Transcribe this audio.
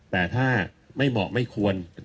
แต่ถ้าไม่เหมาะไม่ควร